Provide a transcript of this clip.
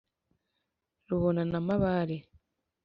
rubona na mabare